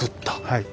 はい。